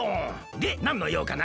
でなんのようかな？